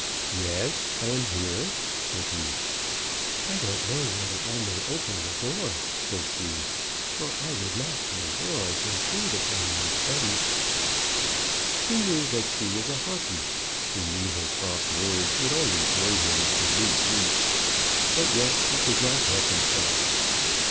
"Yes; I am here," said he. "I don't know whether I may open the door," said she; "for I would not for worlds intrude upon your studies." He knew that she was a Harpy. He knew that her soft words would only bring him to new grief. But yet he could not help himself.